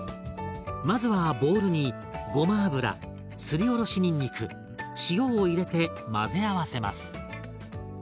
まずはボウルにごま油すりおろしにんにく塩を入れて混ぜ合わせます。